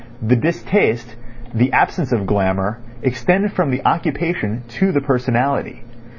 The distaste, the absence of glamour, extend from the occupation to the personality.